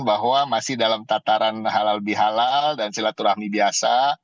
bahwa masih dalam tataran halal bihalal dan silaturahmi biasa